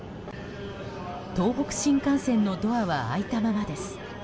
東北新幹線のドアは開いたままです。